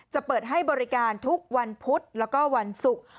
เปิดให้บริการทุกวันพุธแล้วก็วันศุกร์